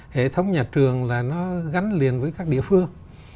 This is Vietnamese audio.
hệ thống nhà trường là nó gắn liền với các địa phương